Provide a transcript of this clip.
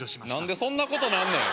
何でそんなことなんねん？